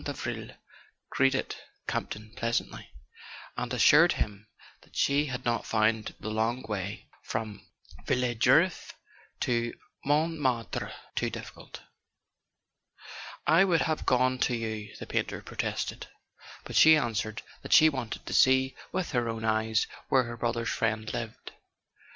Davril greeted Campton pleasantly, and as¬ sured him that she had not found the long way from Villejuif to Montmartre too difficult. "I would have gone to you," the painter protested; but she answered that she wanted to see with her own eyes where her brother's friend lived.